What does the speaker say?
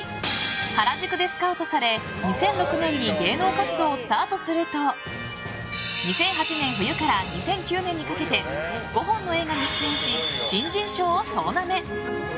原宿でスカウトされ２００６年に芸能活動をスタートすると２００８年冬から２００９年にかけて５本の映画に出演し新人賞を総なめ。